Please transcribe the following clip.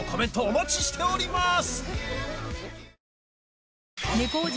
お待ちしております！